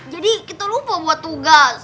jadi kita lupa buat tugas